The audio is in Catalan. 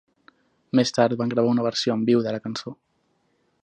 Més tard van gravar una versió en viu de la cançó.